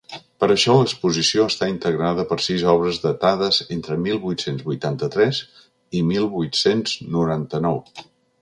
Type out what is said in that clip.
Per això l’exposició està integrada per sis obres datades entre mil vuit-cents vuitanta-tres i mil vuit-cents noranta-nou.